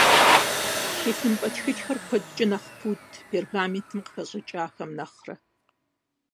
Тхылъымпӏэ тхылъхэр куэдкӏэ нэхъ пудт пергаментым къыхэщӏыкӏахэм нэхърэ.